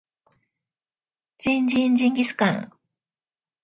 ジンジンジンギスカン